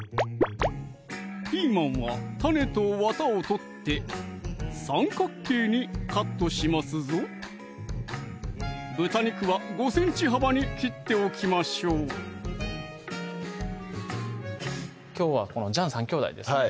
ピーマンは種とわたを取って三角形にカットしますぞ豚肉は５ｃｍ幅に切っておきましょうきょうはこのジャン３兄弟ですね